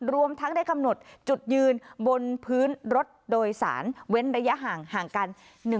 รวมทั้งได้กำหนดจุดยืนบนพื้นรถโดยสารเว้นระยะห่างกัน